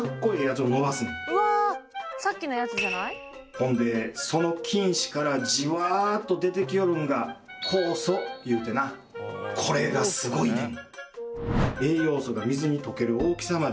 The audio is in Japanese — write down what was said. ほんでその菌糸からじわっと出てきよるのが酵素いうてなこれがすごいねん。